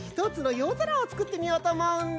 ぞらをつくってみようとおもうんだ。